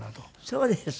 そうですか。